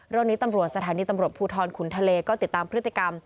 เรื่องนี้ตำรวจสถานีตำรวจภูทรขุนทะเลก็ติดตามพฤติกรรม